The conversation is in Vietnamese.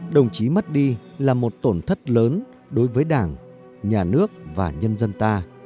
đồng chí mất đi là một tổn thất lớn đối với đảng nhà nước và nhân dân ta